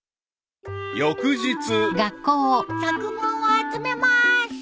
［翌日］作文を集めまーす。